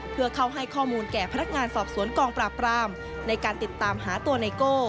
เพื่อเข้าให้ข้อมูลแก่พนักงานสอบสวนกองปราบรามในการติดตามหาตัวไนโก้